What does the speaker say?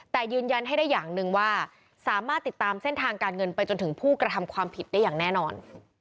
แต่ยืนยันให้ได้อย่างหนึ่งว่าสามารถติดตามเส้นทางการเงินไปจนถึงผู้กระทำความผิดได้อย่างแน่นอน